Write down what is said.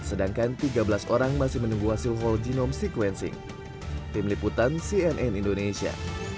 sedangkan tiga belas orang masih menunggu hasil whole genome sequencing tim liputan cnn indonesia